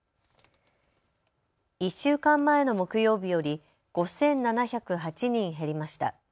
１週間前の木曜日より５７０８人減りました。